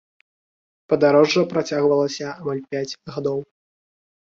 Падарожжа працягвалася амаль пяць гадоў.